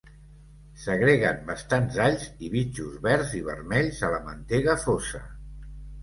S'agreguen bastants alls i bitxos verds i vermells a la mantega fosa.